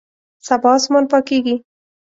سبا اسمان پاکیږي